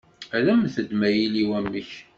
Rremt-d ma yili wamek.